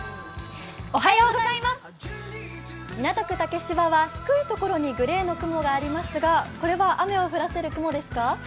港区竹芝は低いところにグレーの雲がありますがこれは雨を降らせる雲ですか？